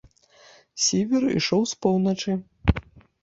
Сівер ішоў з поўначы.